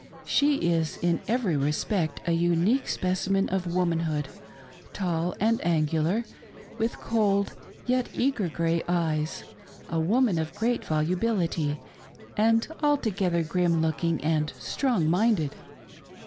She is in every respect a unique specimen of womanhood, tall and angular, with cold yet eager grey eyes, a woman of great volubility, and altogether grim looking and strong minded.